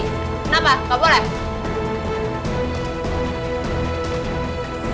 kenapa gak boleh